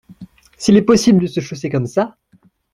S’il est possible de se chausser comme ça !